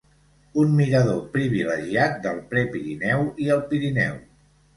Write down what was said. Un mirador privilegiat del Prepirineu i el Pirineu.